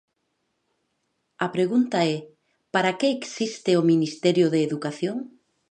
A pregunta é: ¿para que existe o Ministerio de Educación?